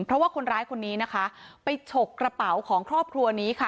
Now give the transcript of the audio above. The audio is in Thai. เพราะว่าคนร้ายคนนี้นะคะไปฉกกระเป๋าของครอบครัวนี้ค่ะ